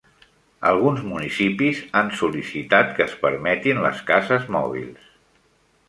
Alguns municipis han sol·licitat que es permetin les cases mòbils.